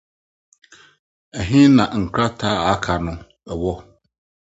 Ɛhe na nkrataa a aka no wɔ?